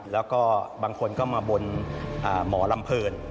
แล้วก็บางคนก็มาบนหมอลำเพลิน